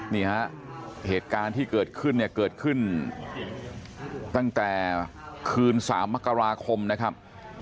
นี่ฮะเหตุการณ์ที่เกิดขึ้นเนี่ยเกิดขึ้นตั้งแต่คืน๓มกราคมนะครับ